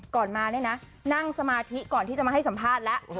ก่อนมาเนี่ยนะนั่งสมาธิก่อนที่จะมาให้สัมภาษณ์แล้ว